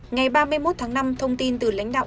ngày ba mươi một tháng năm thông tin từ lãnh đạo